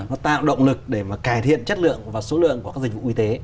nó tạo động lực để mà cải thiện chất lượng và số lượng của các dịch vụ y tế